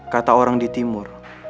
kata orang di timur